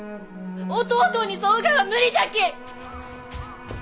弟に添うがは無理じゃき！